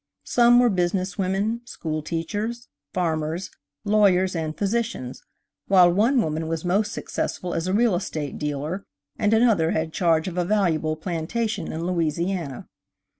Some were business women, school teachers, farmers, lawyers and physicians, while one woman was most successful as a real estate dealer, and another had charge of a valuable plantation in Louisiana.